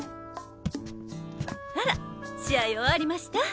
あら試合終わりました？